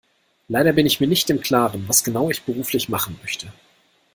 Leider bin ich mir nicht im Klaren, was genau ich beruflich machen möchte.